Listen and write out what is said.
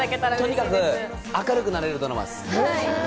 とにかく明るくなれるドラマです。